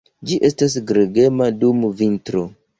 Ĝi estas gregema dum vintro.